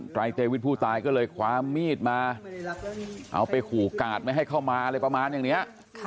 รายเตวิทย์ผู้ตายก็เลยคว้ามีดมาเอาไปขู่กาดไม่ให้เข้ามาอะไรประมาณอย่างนี้